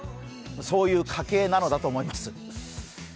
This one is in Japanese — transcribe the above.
そういう家系なのだと思います。